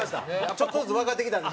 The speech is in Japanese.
ちょっとずつわかってきたんで。